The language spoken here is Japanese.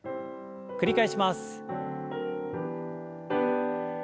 繰り返します。